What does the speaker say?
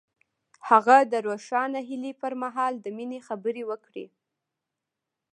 هغه د روښانه هیلې پر مهال د مینې خبرې وکړې.